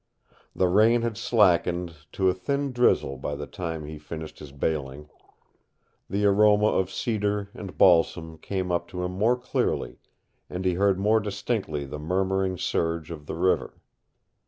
The rain had slackened to a thin drizzle by the time he finished his bailing. The aroma of cedar and balsam came to him more clearly, and he heard more distinctly the murmuring surge of the river.